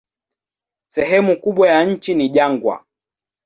Sehemu kubwa ya nchi ni jangwa.